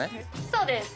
そうです。